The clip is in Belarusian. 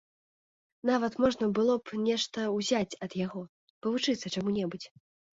Нават можна было б нешта ўзяць ад яго, павучыцца чаму-небудзь.